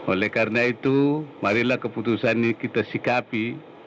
oleh karena itu marilah keputusan ini kita sikapi